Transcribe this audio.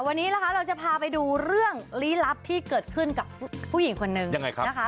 วันนี้นะคะเราจะพาไปดูเรื่องลี้ลับที่เกิดขึ้นกับผู้หญิงคนนึงยังไงครับนะคะ